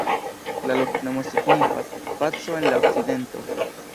La loknomo signifas: "paco en la okcidento".